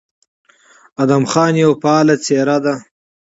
ادم خان يو فعال کرکټر دى،